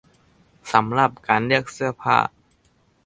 สำหรับการเลือกเสื้อผ้า